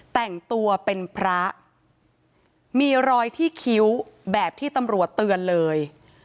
แต่งตัวเป็นพระมีรอยที่คิ้วแบบที่ตำรวจเตือนเลย